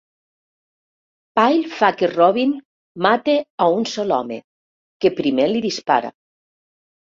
Pyle fa que Robin mati a un sol home, que primer li dispara.